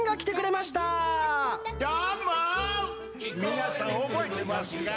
皆さん、覚えてますか？